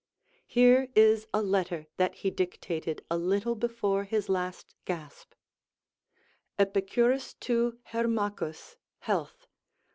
Here is a letter that he dictated a little before his last gasp: "EPICUYUS TO HEYMACHUS, health.